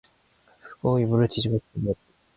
그는 불을 끄고 이불을 뒤집어쓰고 누웠다.